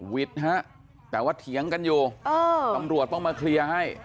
วิทย์ฮะแต่ว่าเถียงกันอยู่ตำรวจต้องมาเคลียร์ให้